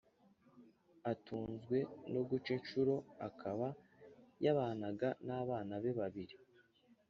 atunzwe no guca inshuro akaba yabanaga n’abana be babiri.